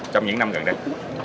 trong những năm gần đây